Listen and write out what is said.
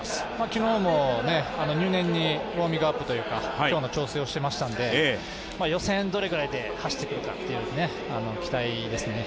昨日も入念にウォーミングアップというか今日の調整をしていましたので予選、どれぐらいで走ってくるか期待ですね。